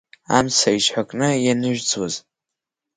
Амца иҽҳәакны ианыжәӡуаз!